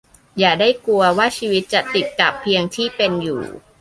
อย่าได้กลัวว่าชีวิตจะติดกับเพียงที่เป็นอยู่